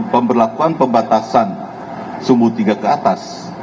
pemberlakuan pembatasan sumbu tiga ke atas